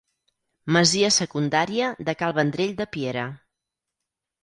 Masia secundària de Cal Vendrell de Piera.